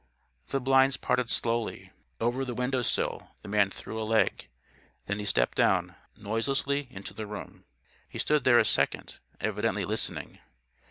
The blinds parted slowly. Over the window sill the man threw a leg. Then he stepped down, noiselessly into the room. He stood there a second, evidently listening.